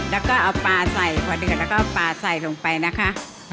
แล้วก็เอาปลาใส่พอเดือดแล้วก็ปลาใส่ลงไปนะคะ